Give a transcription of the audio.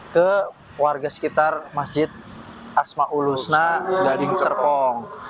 ke warga sekitar masjid asma ul husna gading serpong